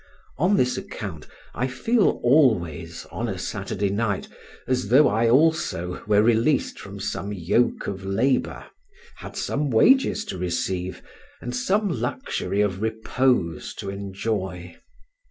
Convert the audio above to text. On this account I feel always, on a Saturday night, as though I also were released from some yoke of labour, had some wages to receive, and some luxury of repose to enjoy.